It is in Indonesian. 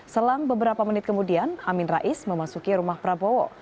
selang beberapa menit kemudian amin rais memasuki rumah prabowo